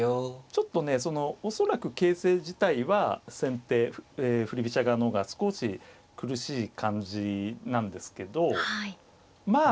ちょっとねその恐らく形勢自体は先手振り飛車側の方が少し苦しい感じなんですけどまあ